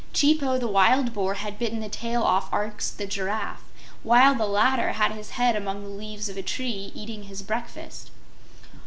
Chipo the Wild Boar had bitten the tail off Arx the Giraffe while the latter had his head among the leaves of a tree, eating his breakfast.